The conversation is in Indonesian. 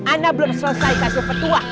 ana belum selesai kasih petua